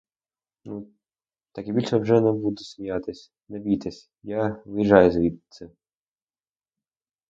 Ну, так я більше вже не буду сміятись, не бійтесь, я виїжджаю звідси.